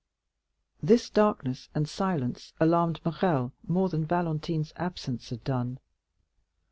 This darkness and silence alarmed Morrel still more than Valentine's absence had done.